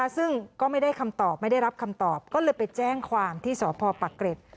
ซึ่งก็ไม่ได้คำตอบไม่ได้รับคำตอบก็เลยไปแจ้งความที่สพปะเกร็ด